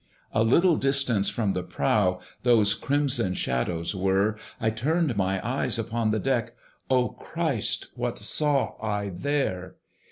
A little distance from the prow Those crimson shadows were: I turned my eyes upon the deck Oh, Christ! what saw I there!